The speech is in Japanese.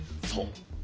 そう。